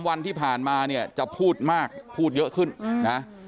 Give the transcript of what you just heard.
๒๓วันที่ผ่านมาจะพูดมากพูดเยอะขึ้น